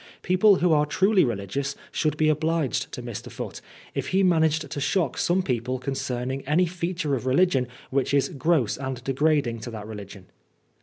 People who are truly religious should be obliged to Mr. Foote, if he managed to shock some people concerning any feature of religion which is gross and degrading to that religion.